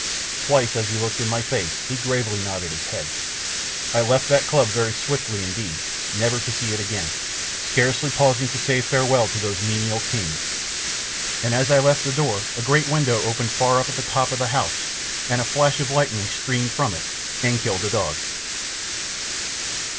Twice as he looked in my face he gravely nodded his head. I left that club very swiftly indeed, never to see it again, scarcely pausing to say farewell to those menial kings, and as I left the door a great window opened far up at the top of the house and a flash of lightning streamed from it and killed a dog.